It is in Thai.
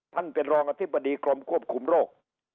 ท่านเป็นรองอธิบดีกรมควบคุมโรค